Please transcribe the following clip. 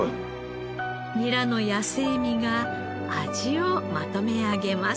ニラの野性味が味をまとめ上げます。